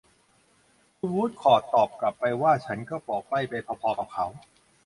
คุณวูดคอร์ทตอบกลับไปว่า ฉันก็บอกใบ้ไปพอ ๆ กับเขา